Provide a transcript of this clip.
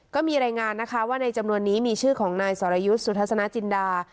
ก็มีรายงานนะคะว่าในจำนวนนี้มีชื่อของนายสรยุทธ์สุทัศนาจินดา